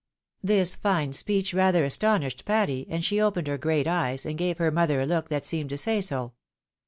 This fine speech rather astonished Patty, and she opened her great eyes, and gave her mother a look that seemed to say so.